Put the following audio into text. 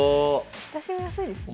親しみやすいですね。